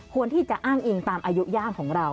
ที่จะอ้างอิงตามอายุย่ามของเรา